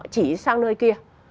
chỉ sang nơi kia